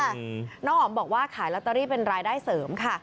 น้องอ๋อมบอกว่าขายลอตเตอรี่เป็นรายได้เสริมค่ะ